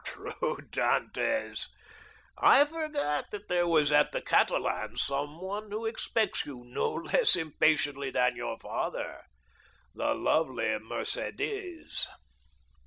"True, Dantès, I forgot that there was at the Catalans someone who expects you no less impatiently than your father—the lovely Mercédès."